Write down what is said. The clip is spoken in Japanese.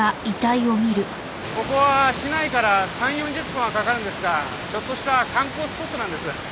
ここは市内から３０４０分はかかるんですがちょっとした観光スポットなんです。